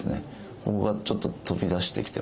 ここがちょっと飛び出してきてます。